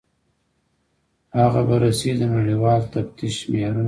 هغه بررسي د نړیوال تفتیش معیارونه لري.